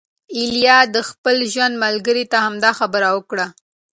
ایلي د خپل ژوند ملګری ته همدا خبره وکړه.